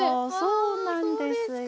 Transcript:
そうなんですよ。